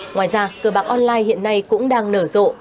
ngoài ra cờ bạc online hiện nay cũng đang nở rộ